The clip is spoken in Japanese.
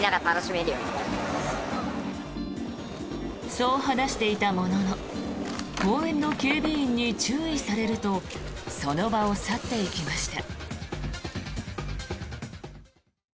そう話していたものの公園の警備員に注意されるとその場を去っていきました。